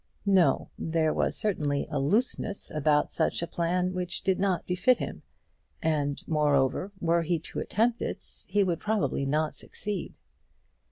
No; there was certainly a looseness about such a plan which did not befit him; and, moreover, were he to attempt it, he would probably not succeed.